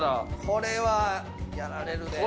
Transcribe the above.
これはやられるで。